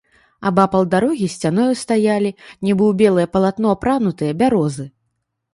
Абапал дарогі сцяною стаялі, нібы ў белае палатно апранутыя, бярозы.